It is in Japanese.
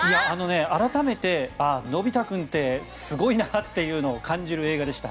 改めて、のび太君ってすごいなというのを感じる映画でした。